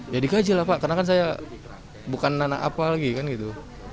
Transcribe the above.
ya dikaji lah pak karena kan saya bukan anak apa lagi kan gitu